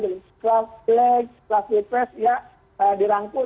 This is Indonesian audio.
klaff black klaff white press ya dirangkul